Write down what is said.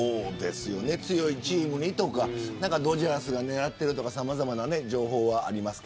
強いチームにとかドジャースが狙っているとかさまざまな情報はありますが。